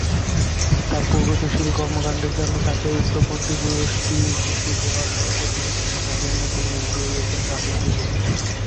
তার প্রগতিশীল কর্মকাণ্ডের জন্য তাকে উগ্রপন্থী গোষ্ঠী হুমকি দেওয়া সত্ত্বেও তিনি থেমে থাকেন নি, তিনি এগিয়ে গিয়েছেন সামনের দিকে।